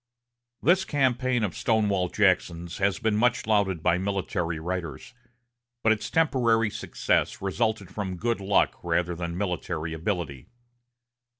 This campaign of Stonewall Jackson's has been much lauded by military writers; but its temporary success resulted from good luck rather than military ability.